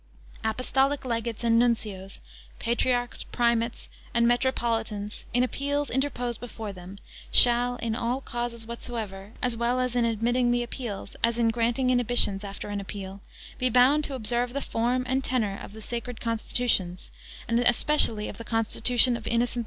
Apostolic legates and nuncios, patriarchs, primates, and metropolitans, in appeals interposed before them, shall, in all causes whatsoever, as well in admitting the appeals, as in granting inhibitions after an appeal, be bound to observe the form and tenour of the sacred constitutions, and especially of the constitution of Innocent IV.